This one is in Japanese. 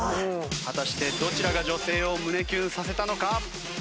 果たしてどちらが女性を胸キュンさせたのか？